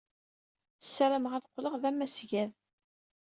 Ssarameɣ ad qqleɣ d amasgad.